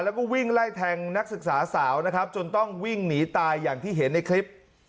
แล้วก็วิ่งไล่แทงนักศึกษาสาวนะครับจนต้องวิ่งหนีตายอย่างที่เห็นในคลิป